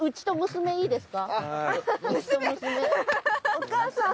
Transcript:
お母さん！